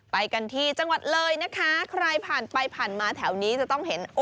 ไปกันที่จังหวัดเลยนะคะใครผ่านไปผ่านมาแถวนี้จะต้องเห็น